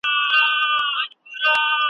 چي یې نه غواړې هغه به در پیښیږي .